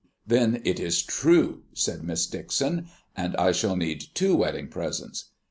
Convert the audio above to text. "Then it is true!" said Miss Dixon, "and I shall need two wedding presents.